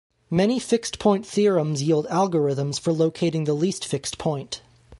Many fixed-point theorems yield algorithms for locating the least fixed point.